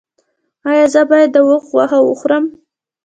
ایا زه باید د اوښ غوښه وخورم؟